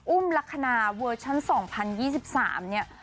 อุ้มลักษณะเวอร์ชั่น๒๐๒๓เนี่ย